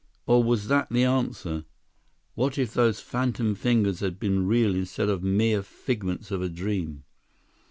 Or was that the answer? What if those phantom fingers had been real instead of mere figments of a dream!